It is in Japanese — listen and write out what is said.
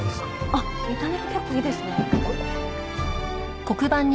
あっ見た目は結構いいですね。